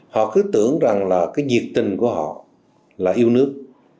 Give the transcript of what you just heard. họ cứ tưởng rằng là cái nhiệt tình của họ là yêu nước